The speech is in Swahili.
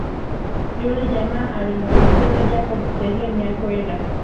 Yule jamaa alimuelekeza Jacob sehemu ya kwenda